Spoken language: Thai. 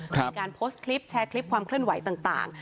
มีการโพสต์คลิปแชร์คลิปความเคลื่อนไหวต่าง